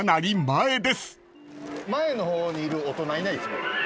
前の方にいる大人いない。